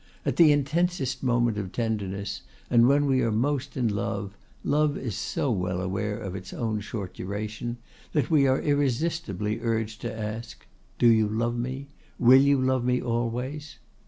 At the intensest moment of tenderness, and when we are most in love, love is so well aware of its own short duration that we are irresistibly urged to ask, 'Do you love me? Will you love me always?